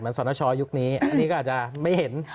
เหมือนสอนช้อยุคนี้อันนี้ก็อาจจะไม่เห็น